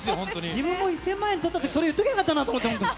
自分も１０００万円取ったとき、それ言っときゃよかったなと思って。